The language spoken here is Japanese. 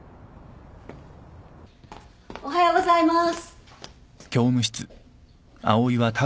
おはようございます。